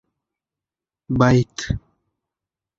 بيت